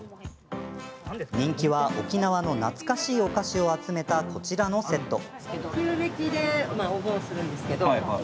人気は沖縄の懐かしいお菓子を集めた、こちらのセット。